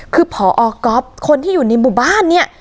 คือพอก๊อฟคนที่อยู่ในหมู่บ้านเนี่ย